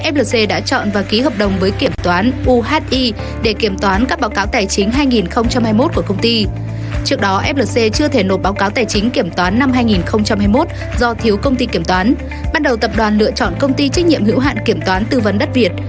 bắt đầu tập đoàn lựa chọn công ty trách nhiệm hữu hạn kiểm toán tư vấn đất việt